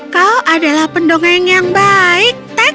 kau adalah pendongeng yang baik